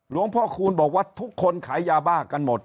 พ่อคูณบอกว่าทุกคนขายยาบ้ากันหมด